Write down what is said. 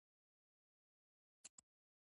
د کندهار د پخواني ښار دیوالونه د الکسندر دورې دي